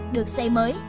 được xây mới